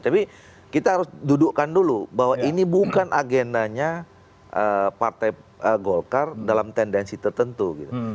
tapi kita harus dudukkan dulu bahwa ini bukan agendanya partai golkar dalam tendensi tertentu gitu